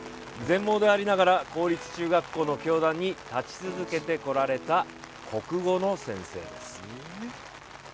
全盲でありながら公立中学校の教壇に立ち続けてこられた国語の先生です。